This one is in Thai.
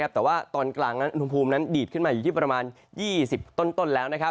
แต่ว่าตอนกลางนั้นอุณหภูมินั้นดีดขึ้นมาอยู่ที่ประมาณ๒๐ต้นแล้ว